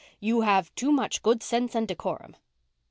"You have too much good sense and decorum."